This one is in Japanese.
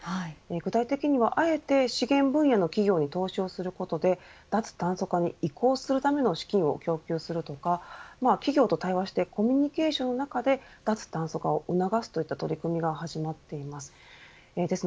具体的にはあえて資源分野の企業に投資することで脱炭素化に移行するための資金を供給するとか企業と対話してコミュニケーションの中で脱炭素化を促すといった取り組みが始まっています。